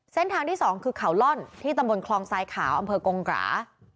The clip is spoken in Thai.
เส้นทางที่สองคือเขาล่อนที่ตะบนคลองซ้ายขาวอำเภอกงหรา